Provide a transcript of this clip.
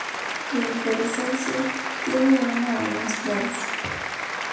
La inflorescencia tiene una o más flores.